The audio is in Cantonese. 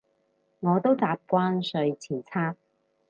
我都習慣睡前刷